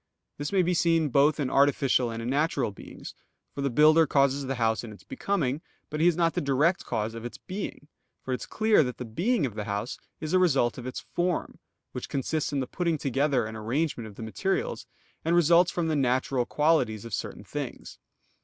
_ This may be seen both in artificial and in natural beings: for the builder causes the house in its becoming, but he is not the direct cause of its being. For it is clear that the being of the house is a result of its form, which consists in the putting together and arrangement of the materials, and results from the natural qualities of certain things.